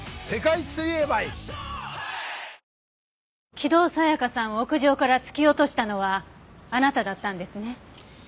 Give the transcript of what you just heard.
木戸沙也加さんを屋上から突き落としたのはあなただったんですね。